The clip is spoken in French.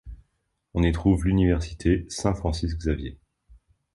On y trouve l’Université Saint-Francis-Xavier.